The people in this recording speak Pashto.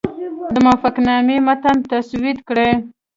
د موافقتنامې متن تسوید کړي.